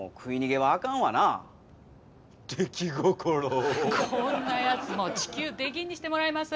おにいさんこんなやつもう地球出禁にしてもらえます？